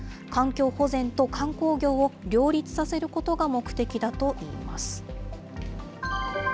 環境保全と観光業を両立させることが目的だといいます。